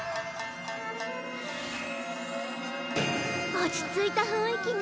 落ち着いた雰囲気ね。